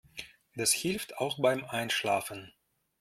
Das hilft auch beim Einschlafen.